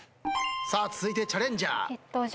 さあ続いてチャレンジャー。